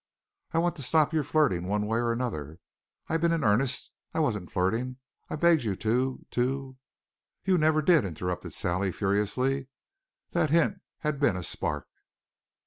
"I want to stop your flirting one way or another. I've been in earnest. I wasn't flirting. I begged you to to..." "You never did," interrupted Sally furiously. That hint had been a spark.